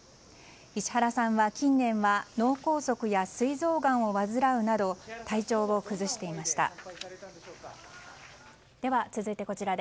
石原さんは近年は脳梗塞やすい臓がんを患うなど体調を崩していました。